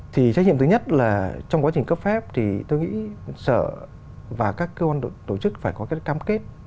thì trách nhiệm thứ nhất là trong quá trình cấp phép thì tôi nghĩ sở và các cơ quan tổ chức phải có cái cam kết